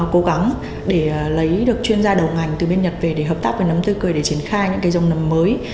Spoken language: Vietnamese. cố gắng để lấy được chuyên gia đầu ngành từ bên nhật về để hợp tác với nấm tươi cười để triển khai những cái giống nấm mới